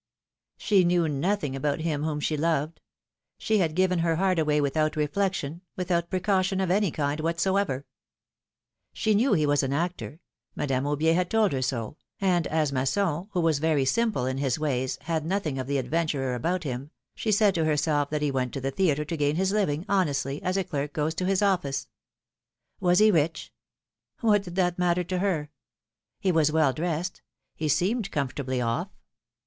She knew nothing about him whom she loved; she had given her heart away without reflection, without precau tion of any kind whatsoever. She knew he was an actor — Madame Aubier had told her so, and as Masson, who was very simple in his ways, had nothing of the adventurer about him, she said to herself that he went to the theatre to gain his living honestly, as a clerk goes to his ofSce. Was he rich? What did that matter to her? He was well dressed ; he seemed comfortably off.